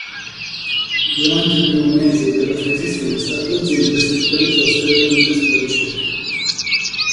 Durante il primo mese della sua esistenza l'azienda si focalizzò strettamente sulla ricerca.